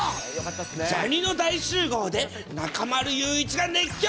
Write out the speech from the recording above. ジャにの大集合で、中丸雄一が熱狂！